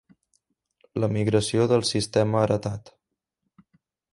La migració del sistema heretat.